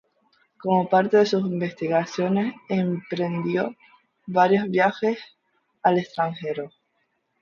Como parte de sus investigaciones, emprendió varios viajes al extranjero.